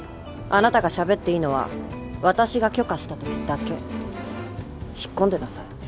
あなたがしゃべっていいのは私が許可した時だけ引っ込んでなさい